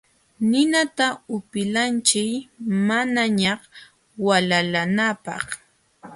Ninata upilachiy manañaq walananapaq.